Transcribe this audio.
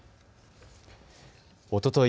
おととい